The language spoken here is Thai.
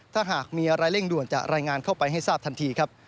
ถ้าหากมีอะไรเร่งด่วนจะรายงานเข้าไปให้ทราบทันทีครับ